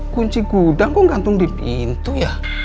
kunci gudang kok gantung di pintu ya